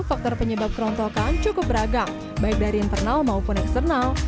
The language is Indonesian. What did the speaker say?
faktor penyebab kerontokan cukup beragam baik dari internal maupun eksternal